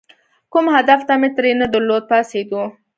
کوم هدف مې ترې نه درلود، پاڅېدو.